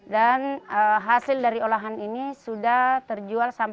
dan hasil dari pancasar